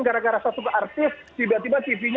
gara gara satu artis tiba tiba tv nya